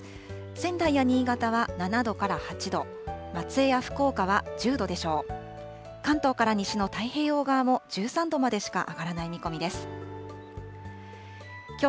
仙台や新潟は７度から８度、松江や福岡は１０度でしょう。